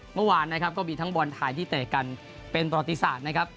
เมื่อวานนะครับก็มีทั้งบอลไทยที่เตะกันเป็นประวัติศาสตร์นะครับ